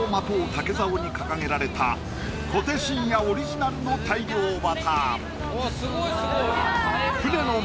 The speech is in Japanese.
竹ざおに掲げられた小手伸也オリジナルの大漁旗。